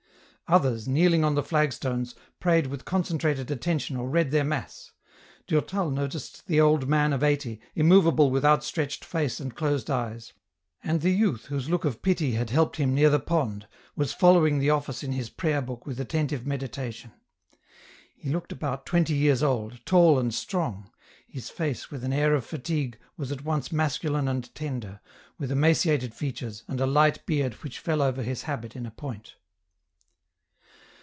Others, kneeling on the flagstones, prayed with con centrated attention or read their mass. Durtal noticed the old man of eighty, immovable with outstretched face and closed eyes ; and the youth whose look of pity had helped him near the pond, was following the office in his prayer book with attentive meditation. He looked about twenty years old, tall and strong ; his face, with an air of fatigue, was at once masculine and tender, with emaciated features, and a light beard which fell over his habit in a point.